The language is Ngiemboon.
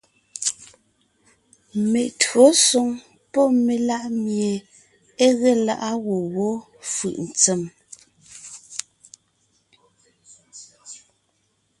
Meÿǒsoŋ pɔ́ melá’ mie é ge lá’a gwɔ̂ wó fʉʼ ntsèm :